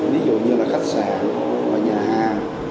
ví dụ như là khách sạn nhà hàng